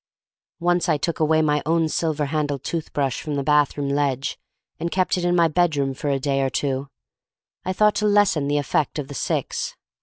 Once I took away my own silver handled tooth brush from the bathroom ledge, and kept it in my bedroom for a day or two. I thought to lessen the effect of the six.